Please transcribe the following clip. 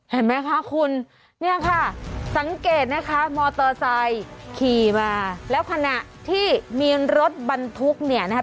เห็นไหมคะคุณเนี่ยค่ะสังเกตนะคะมอเตอร์ไซค์ขี่มาแล้วขณะที่มีรถบรรทุกเนี่ยนะคะ